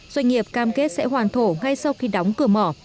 doanh nghiệp cam kết sẽ hoàn thổ ngay sau khi đóng cửa mỏ